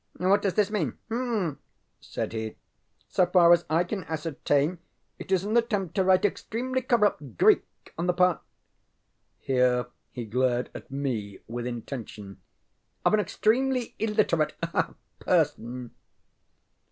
ŌĆ£What does this mean? HŌĆÖmm, ŌĆØ said he. ŌĆ£So far as I can ascertain it is an attempt to write extremely corrupt Greek on the partŌĆØ here he glared at me with intention ŌĆ£of an extremely illiterate ah person.